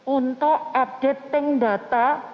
untuk updating data